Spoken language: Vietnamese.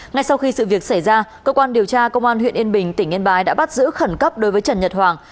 ngay sau khi sự việc xảy ra cơ quan điều tra công an huyện yên bình tỉnh yên bái đã bắt giữ khẩn cấp đối với trần nhật hoàng